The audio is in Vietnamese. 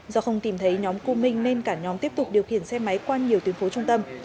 do không tìm thấy nhóm cô minh nên cả nhóm tiếp tục điều khiển xe máy qua nhiều tuyến phố trung tâm